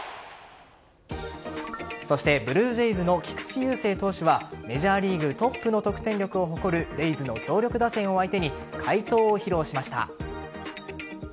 そしてブルージェイズの菊池雄星投手はメジャーリーグトップの得点力を誇るレイズの強力打線を相手に快投を披露しました。